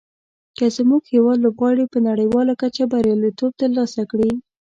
که زموږ هېواد لوبغاړي په نړیواله کچه بریالیتوب تر لاسه کړي.